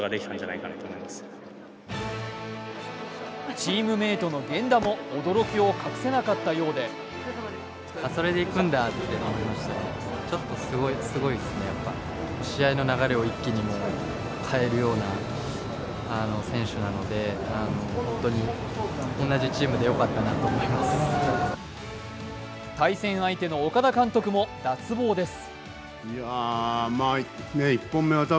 チームメートの源田も驚きを隠せなかったようで対戦相手の岡田監督も脱帽です。